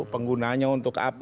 penggunanya untuk apa